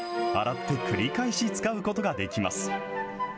洗って繰り返し使うことができます。